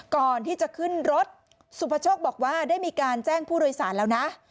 ก่อนที่จะขึ้นรถสุภโชคบอกว่าได้มีการแจ้งผู้โดยสารแล้วนะ